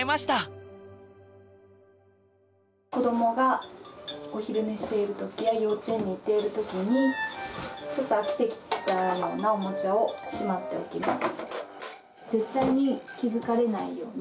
子どもがお昼寝しているときや幼稚園に行っているときにちょっと飽きてきたようなおもちゃをしまっておきます。